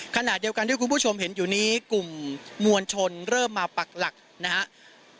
ขณะเดียวกันที่คุณผู้ชมเห็นอยู่นี้กลุ่มมวลชนเริ่มมาปักหลักนะครับ